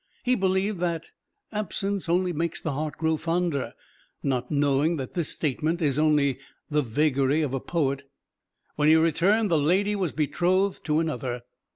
He believed that "absence only makes the heart grow fonder," not knowing that this statement is only the vagary of a poet. When he returned the lady was betrothed to another.